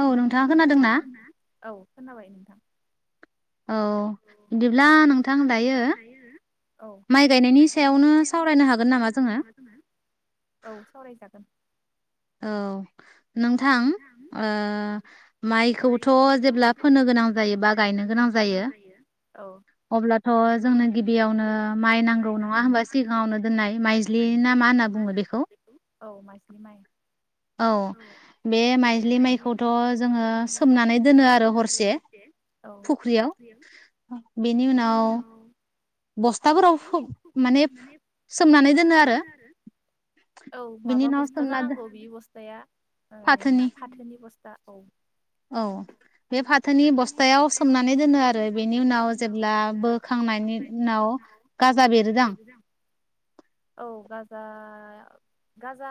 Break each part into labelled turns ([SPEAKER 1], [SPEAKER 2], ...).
[SPEAKER 1] औ नोंथांङा खोनादोंना?
[SPEAKER 2] खोनाबाय नोंथां।
[SPEAKER 1] औ बिदिब्ला नोंथां दायो
[SPEAKER 2] औ माइ गायनायनि सायावनो सावरायनो हागोन नामा जोङो औ सावरायजागोन।
[SPEAKER 1] औ नोंथां ओ माइखौथ' जेब्ला फोनो गोनां जायो बा गायनो गोनां जायो अब्लाथ' जोंनो गिबियावनो माइ नांगौ नङा होनबा सिगाङावनो दोननाय माइज्लि ना मा होनना बुङो बेखौ?
[SPEAKER 2] औ माइज्लि माइ।
[SPEAKER 1] औ
[SPEAKER 2] बेे माइज्लि माइखौथ' जोङो सोमनानै दोनो आरो हरसे औ फुख्रियाव बेनि उनाव बस्थाफोराव माने सोमनानै दोनो आरो औ माबा बस्था जानांगौ बेबो। बस्थाया ओइ मा फाथोनि बस्थ था औ। औ बे फाथोनि बस्थायायाव सोमनानै दोनो आरो बेनि उनाव जेब्ला बोखांनायनि उनाव गाजा बेरोदां औ गाजा गाजा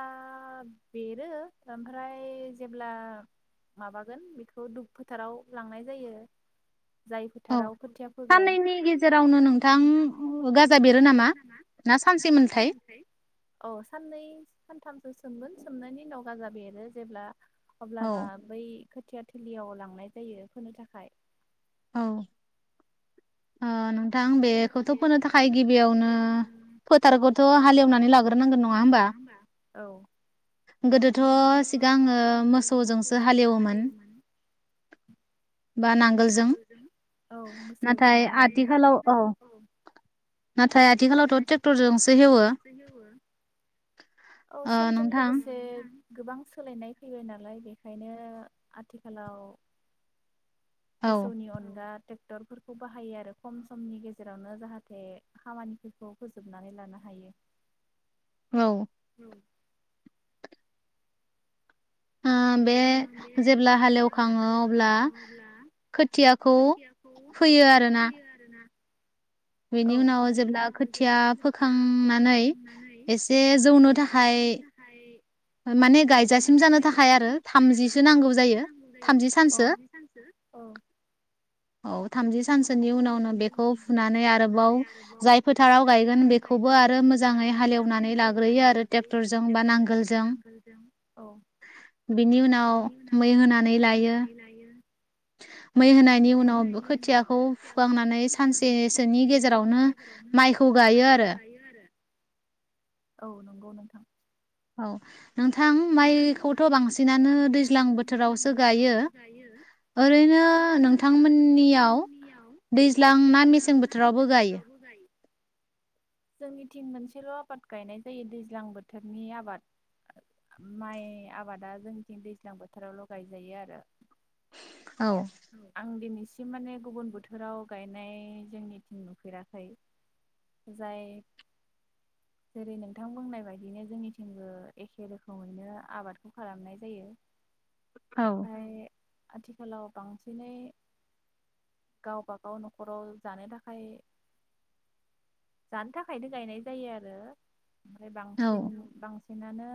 [SPEAKER 2] बेरो ओमफ्राय जेब्ला माबागोन बेखौ दुुब्लि फोथाराव लांनाय जायो। जाय फोथाराव खोथिया फोगोन साननैनि गेजेरावनो नोंथां गाजा बेरो नामा ना सानसे मोनथाय औ सननै सानथामसो। सोमगोन सोमनायनि उनाव गाजा बेरो जेब्ला अब्लाना बै खोथिया थोलियाव लांनाय जायो फोनो थाखाय।
[SPEAKER 1] औ। ओ नों
[SPEAKER 2] दा आं बेफोरखौ होनोनो थाखाय गिबियावनो फोथारखौथ' हालेवनानै लाग्रोनांगौ नङा हबा औ गोदोथ' सिगाङो मोसौजोंसो हालेवोमोन। दा नांगोलजों औ मोसौ नाथाय आथिखालाव औ नाथाय आथिखालावथ' ट्रेक्टरजोंसो हेवो औ समजों लोगोसे गोबां सोलायनाय फैबाय नालाय बेखायनो आथिखालाव मोसौनि अनगा टेक टरफोरखौ बाहायो आरो खम समनि गेजेरावनो जाहाथे खामानिफोरखौ फोजोबनानै लानो हायो।
[SPEAKER 1] औ।
[SPEAKER 2] [inaudible]
[SPEAKER 1] उम बे जेब्ला हाल एवखाङो अब्ला खोथियाखौ फोयो आरोना।
[SPEAKER 2] औ बेनि उनाव जेब्ला खोथिया फोखांनानै एसे जौनो थाखाय
[SPEAKER 1] माने गायजासिम जानो थाखाय आरो थामजिसो नांगौ जायो। थामजि सानसो औ। थामजि सानसोनि उनावनो बेखौ फुनानै आरोबाव जाय फोथाराव गायगोन बेखौबो आरो मोजाङै हाल एवनानै लाग्रोयो आरो ट्रेक्टरजों बा नांगोलजों बेनि उनाव मै होनानै लायो। मै होनायनि उनाव खोथियाखौ फुखांनानै सानसेसोनि गेजेरावनो माइखौ गायो आरो
[SPEAKER 2] औ नंगौ नोंथां
[SPEAKER 1] औ
[SPEAKER 2] नोंथां माइखौथ' बांसिनानो दैज्लां बोथोरावसो गायो ओरैनो नोंथांमोननियाव दैज्लां ना मेसें बोथोरावबो गायो? जोंनिथिं मो सेल' आबाद गायनाय जायो दैज्लां बोथोरनि आबाद। माइ आबादा जोंनिथिं दैज्लां बोथोरावल' गायजायो आरो आं दिनि सिम माने गुबुन बोथोराव गायनाय जोंनिथिं नुफेराखै जाय जेरै नोंथां बुंनाय बायदिनो जोंनिथिंबो एखे रोखोमैनो आबादखौ खालामनाय जायो। आथिखालाव बांसिनै गावबागाव न'खराव जानो थाखाय जानो थाखायनो गायनाय जायो आरो ओमफ्राय बांसिन बांसि सिनानो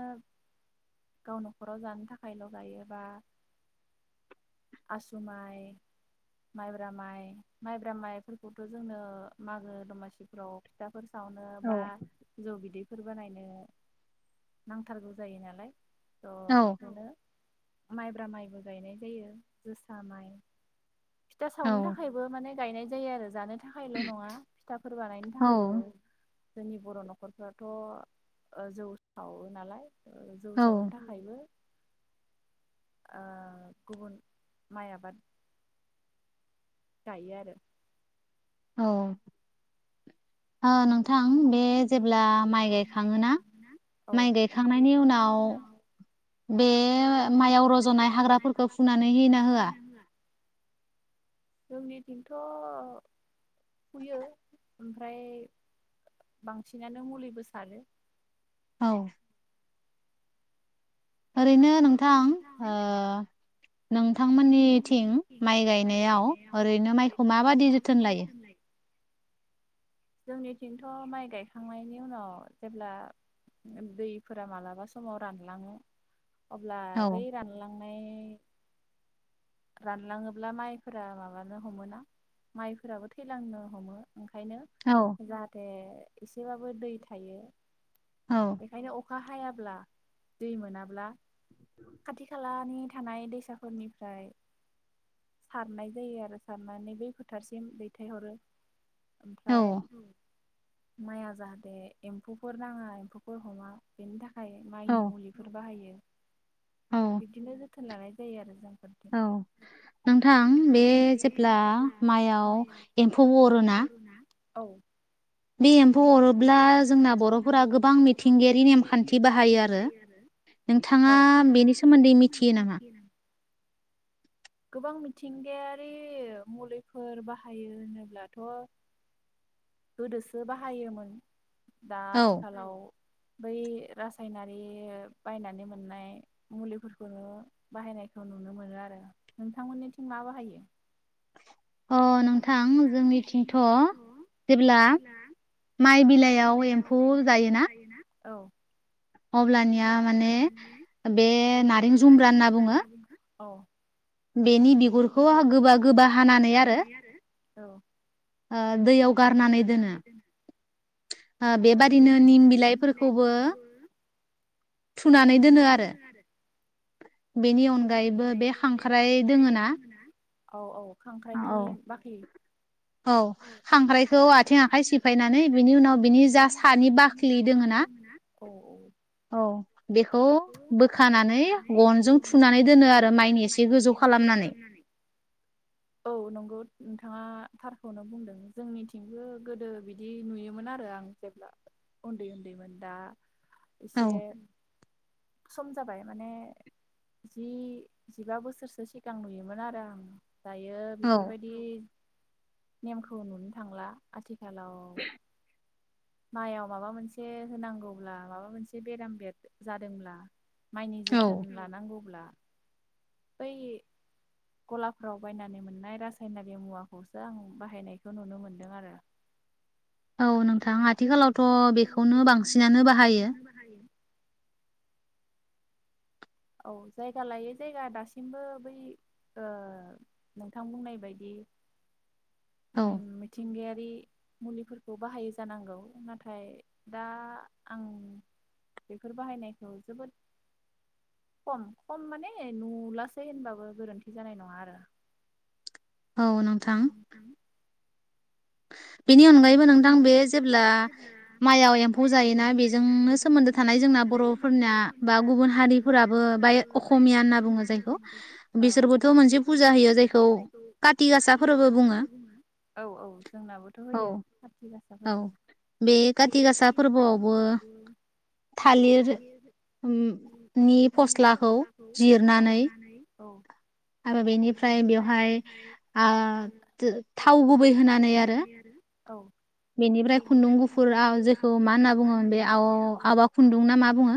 [SPEAKER 2] गाव न'खराव जानो थाखायल' गायोबा आसु माइ, माइब्रा माइ, माइब्रा माइफोरखौथ' जोंनो मागो दमासिफोराव फिथा फोर सावनो बा जौ बिदै फोर बानायनो नांथारगौ जायो नालाय अ बेखायनो‌ माइब्रा माइबो गायनाय जायो। जोसा माइ फिथा सावनो थाखायबो माने गायनाय जायो आरो जानो था थाखायल' नङा फिथाफोर बानायनो थाखायबो जोंनि बर' न'खरफ्राथ' जौ सावो नालाय जौ सावनो थाखायबो ओ‌ गुबुन माइ आबाद गायो आरो।
[SPEAKER 1] औ ओ नोंथां बे जेब्ला माइ गायखाङोना माइ गायखांनायनि उनाव बे माइयाव रज'नाय हाग्राफोरखौ फुनानै होयो‌ ना होआ?
[SPEAKER 2] जोंनिथिंथ' फुयो ओमफाय बांसिनानो मुलिबो सारो।
[SPEAKER 1] औ ओरैनो नोंथां ओ नोंथांमोननिथिं माइ गायनायाव ओरैनो माइखौ माबादि जोथोन लायो?
[SPEAKER 2] जोंनिथिंथ' माइ गायखांनायनि उनाव जेब्ला दैफोरा मालाबा समाव रानलाङो अब्ला बै रानलां नाय रानलाङोब्ला माइफोरा माबानो हमो ना माइफोराबो थैलांनो हमो ओंखायनो जाहाथे एसेबाबो दै थायो बेखायनो अ अखा हायाब्ला दै मोनाब्ला खाथि खालानि थानाय दैसाफोरनिफ्राय सारनाय जायो आरो सारनानै बै फोथारसिम दैथायहरो। ओमफ्राय माइया जाहाथे एम्फौफोर नाङा एम्फौफोर हमा बेनि था खाय माइनि मुलिफोर बाहायो। बिदिनो जो थोन लानाय जायो आरो जों।
[SPEAKER 1] औ नोंथां बे जेब्ला माइआव एम्फौ अरोना
[SPEAKER 2] औ बे एम्फौ अरोब्ला जोंना बर'फोरा गोबां मिथिंगायारि नेमखान्थि बाहायो आरो औ नोंथाङा बेनि सोमोन्दै मिथियो नामा? गोबां मि मिथिंगायारि मुलिफोर बाहायो होनोब्लाथ' गोदोसो बाहायोमोन। दा आथिखालाव बै रास सायनारि बायनानै मोननाय मुलिफोरखौनो बाहायनायखौ नुनो मोनो आरो। नोंथांमोननिथिं मा बाहायो?
[SPEAKER 1] अ नोंथां जोंनिथिंथ' जेब्ला माइ बिलाइयाव एम्फौ जायोना
[SPEAKER 2] औ
[SPEAKER 1] अब्लानिया माने बे नारें जुमब्रा होनना बुङो
[SPEAKER 2] अ बेनि बिगुरखौ गोबा गोबा हानानै आरो औ दैयाव गारनानै दोनो ओ बेबादिनो निम बिलाइफोरखौबो
[SPEAKER 1] थुनानै दोनो आरो बेनि अनगायैबो बे हांख ख्राय दोङोना
[SPEAKER 2] औ औ खांख्राइनि बाख्लि औ औ
[SPEAKER 1] औ बेखौ बोखानानै गनजों थुनानै दोनो आरो माइनि एसे गोजौ खालामनानै।
[SPEAKER 2] औ नंगौ नोंथाङा थारखौनो बुंदों जोंनिथिंबो गोदो बिदि नुयोमोन आरो आं जेब्ला उन्दै उन्दैमोन दा एसे सम जाबाय माने जि जिबा बोसोरसो सिगां नुयोमोन आरो आं। दायो बेफोरबायदि नेमखौ नुनो थांला आथिखालाव।
[SPEAKER 1] [inaudible]
[SPEAKER 2] माइआव माबा मोनसे होनांगौब्ला माबा मोनसे बेराम बेर जादोंब्ला माइनि जोथोन लानांगौब्ला बै गलाफ्राव बायनानै मोननाय रासायनारि मुवाखौसो आं बाहायनायखौ नुनो मोनदों आरो।
[SPEAKER 1] औ नोंथां आथिखालावथ' बेखौनो बांसिनानो बाहायो।
[SPEAKER 2] औ जायगा लायै जायगा दासिमबो बै ओ नोंथां बुंनाय बायदि उम मिथिंगायारि मुलिफोरखौ बाहायो जानांगौ। नाथाय दा आं बेफोर बाहायनायखौ जोबोद खम, खम माने नुलासै होनबाबो गोरोन्थि जानाय नङा आरो। औ नोंथां बेनि अनगायैबो नोंथां बे जेब्ला माइआव एम्फौ जायोना बेजोंनो सोमोन्दो थानाय जोंना बर'फोरनि बा गुबुन हारिफोराबो बाय अकमिया होनना बुङो जायखौ बिसोरबोथ' मोनसे फुजा होयो जायखौ काति गासाफोराबो बुङो। जोंनाबोथ' होयो। कातिगासा फोरबो बे कातिगासा फोरबोआवबो थालिर नि-नि फस्लाखौ औ जिरनानै आरो बेनिफ्राय बेवहाय थाव गुबै होनानै आरो औ
[SPEAKER 1] बेनिफ्राय खुन्दुं गुफुराव जेखौ मा होनना बुङो बे आव-आवा खुन्दुं ना मा बुङो?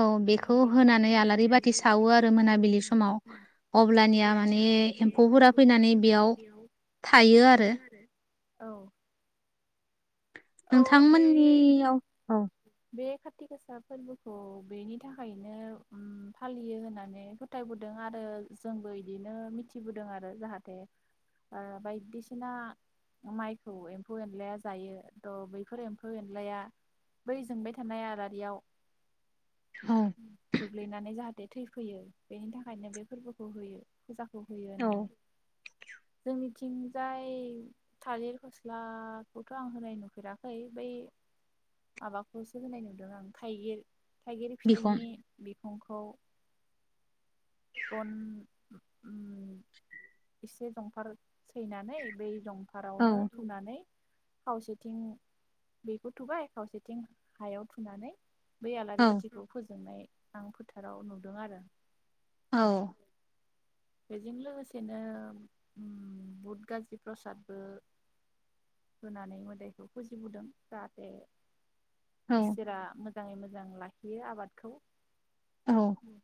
[SPEAKER 1] औ बेखौ होनानै आलारि बाथि सावो आरो मोनाबिलि समाव अब्लानिया माने एम्फौफोरा फैनानै बेयाव थायो आरो।
[SPEAKER 2] औ
[SPEAKER 1] नोंथांमोननियाव औ
[SPEAKER 2] काति गासा फोरबोखौ बेनि थाखायनो उम फालियो होननानै फोथायबोदों आरो जोंबो इदिनो मिथिबोदों आरो जाहाथे ओ बायदिसिना माइखौ एम्फौ एनलाया जायो। थ' बैफोर एम्फौ एनलाया बै जोंबाय थानाय आरियाव गोग्लैनानै जाहाथे थैफैयो बेनि थाखायनो बे फोरबोखौ होयो। फुजाखौ होयो होननानै जोंनिथिंजाय थालिर गस्लाखौथ' आं होनाय नु राखै बै माबाखौसो होनाय नुदों आं थाइगिर थाइगिर फिथाइनि बिखंखौ गन उम एसे जंफार सैनानै बै जंफारावनो थुनानै खावसेथिं बेखौ थुबाय, खावसेथिं हायाव थुनानै। बै आलारि बाथिखौ फोजोंनाय। आं फोथाराव नुदों आरो।
[SPEAKER 1] औ।
[SPEAKER 2] बेजों लोगोसेनो उम भुत गाज्रि प्रसादबो होनानै मोदायखौ फुजिबोदों। जाहाथे इसोरा मोजाङै-मोजां लाखियो आबादखौ। उम।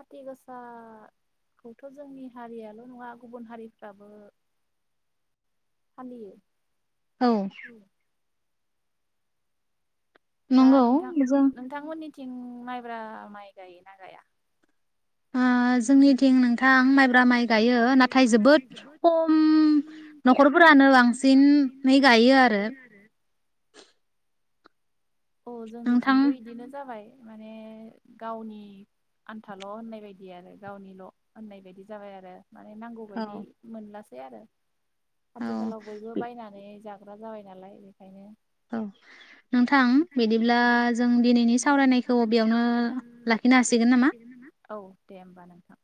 [SPEAKER 2] कातिगासाखौथ' जोंनि हारियाल' नङा गुबुन हारिफ्राबो फालियो।
[SPEAKER 1] औ।
[SPEAKER 2] दा नोंथां नोंथांमोननि थिं माइब्रा माइ गायोना गाया?
[SPEAKER 1] ओ जोंनिथिं नोंथां माइब्रा माइ गायो नाथाय जोबोद खम न'खरफोरानो बांसिनै गायो आरो।
[SPEAKER 2] औ जोंनिथिंबो बिदिनो जाबाय। माने गावनि आन्थाल होननाय बायदि आरो गावनिल होननाय बायदि जाबाय आरो। माने नांगौ बायदि मोनलास बे आरो। आथिखालाव बयबो बायनानै जाग जाग्रा जाबाय नालाय बेखायनो।
[SPEAKER 1] औ।
[SPEAKER 2] नोंथां बिदिब्ला जों दिनैनि सावरायनायखौ बेयावनो लाखिनो हसिगोन नामा? औ दे होमबा नोंथां।